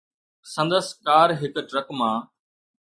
سندس ڪار هڪ ٽرڪ مان